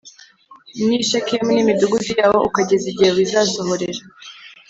n i Shekemu n imidugudu yaho ukageza igihe bizasohorera